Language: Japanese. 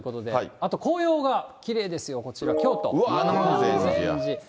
あと紅葉がきれいですよ、こちら、京都。